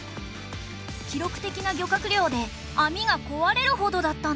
記録的な漁獲量で網が壊れるほどだったんだって。